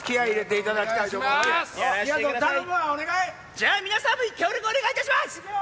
じゃあ、皆さんも協力お願いします。